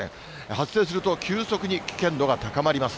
発生すると、急速に危険度が高まります。